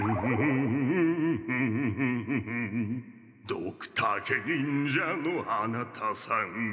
「ドクタケ忍者の穴太さん」